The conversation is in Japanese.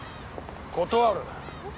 断る。